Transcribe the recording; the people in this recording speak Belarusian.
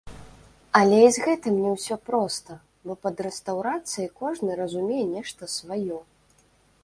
Але і з гэтым не ўсё проста, бо пад рэстаўрацыяй кожны разумее нешта сваё.